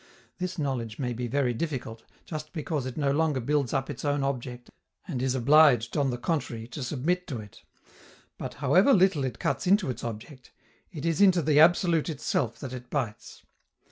This knowledge may be very difficult, just because it no longer builds up its own object and is obliged, on the contrary, to submit to it; but, however little it cuts into its object, it is into the absolute itself that it bites.